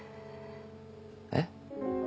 えっ？